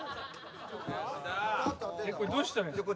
これどうしたらいいんですか？